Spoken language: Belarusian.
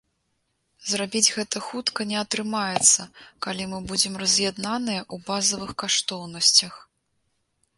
Зрабіць гэта хутка не атрымаецца, калі мы будзем раз'яднаныя ў базавых каштоўнасцях.